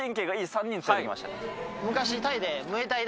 昔。